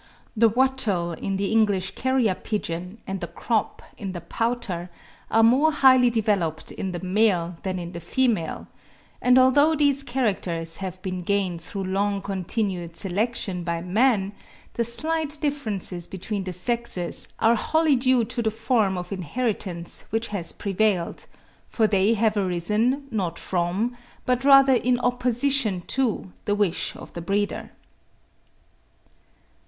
The wattle in the English Carrier pigeon, and the crop in the Pouter, are more highly developed in the male than in the female; and although these characters have been gained through long continued selection by man, the slight differences between the sexes are wholly due to the form of inheritance which has prevailed; for they have arisen, not from, but rather in opposition to, the wish of the breeder.